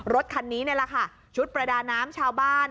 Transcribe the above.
รถคันนี้นี่แหละค่ะชุดประดาน้ำชาวบ้าน